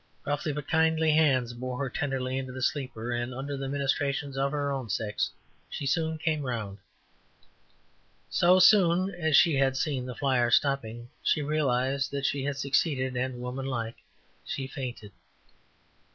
Rough, but kindly hands, bore her tenderly into the sleeper, and under the ministrations of her own sex, she soon came around. So soon as she had seen the flyer stopping she realized that she had succeeded and womanlike she fainted.